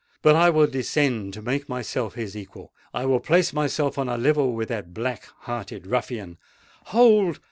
But I will descend to make myself his equal—I will place myself on a level with that black hearted ruffian——" "Hold!